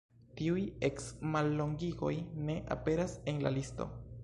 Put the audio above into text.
Tiuj eks-mallongigoj ne aperas en la listo.